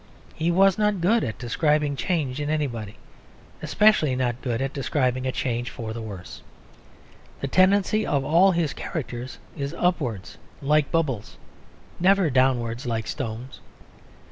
He was not good at describing change in anybody, especially not good at describing a change for the worse. The tendency of all his characters is upwards, like bubbles, never downwards, like stones.